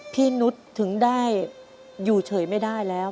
นุษย์ถึงได้อยู่เฉยไม่ได้แล้ว